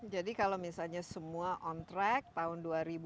jadi kalau misalnya semua on track tahun dua ribu dua puluh satu